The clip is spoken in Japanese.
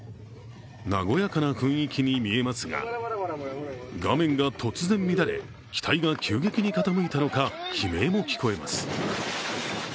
和やかな雰囲気に見えますが画面が突然乱れ、機体が急激に傾いたのか、悲鳴も聞こえます。